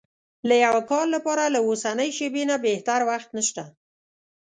د يوه کار لپاره له اوسنۍ شېبې نه بهتر وخت نشته.